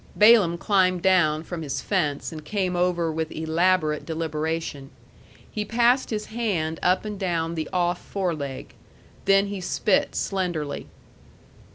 Balaam climbed down from his fence and came over with elaborate deliberation. He passed his hand up and down the off foreleg. Then he spit slenderly.